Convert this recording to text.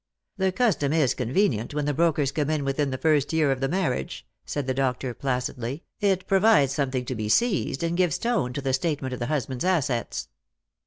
" The custom is convenient, when the brokers come in within the first year of the marriage," said the doctor placidly ;" it provides something to be seized, and gives tone to the state ment of the husband's assets."